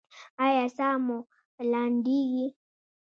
ایا ساه مو لنډیږي؟